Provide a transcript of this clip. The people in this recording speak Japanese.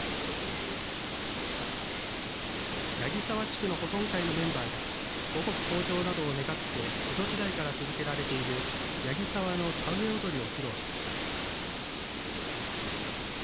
八木沢地区の保存会のメンバーが五穀豊じょうなどを願って江戸時代から続けられている八木沢の田植踊を披露しました。